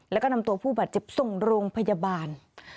แล้วก็นำตัวผู้บาดเจ็บส่งโรงพยาบาล